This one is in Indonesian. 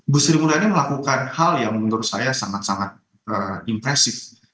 bustri muda ada yang melakukan hal yang menurut saya sangat sangat impresif